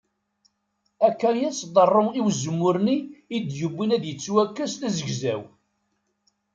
Akka i as-tḍerru i uzemmur-nni i d-yewwin ad yettwakkes d azegzaw.